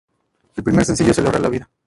El primer sencillo es "Celebra la vida".